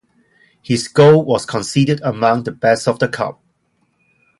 His goal was considered among the best of the cup.